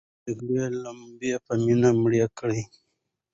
د جګړې لمبې په مینه مړې کړئ.